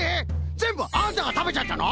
ぜんぶあんたがたべちゃったの！？